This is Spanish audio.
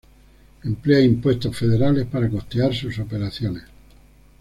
Emplea impuestos federales para costear sus operaciones.